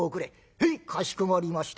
「へいかしこまりました」